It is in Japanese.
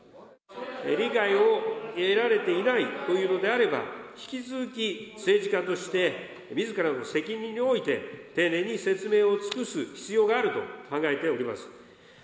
理解を得られていないということのであれば、引き続き政治家としてみずからの責任において、丁寧に説明を尽くす必要があると考えております。